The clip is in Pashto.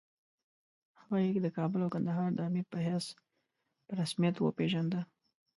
هغه یې د کابل او کندهار د امیر په حیث په رسمیت وپېژاند.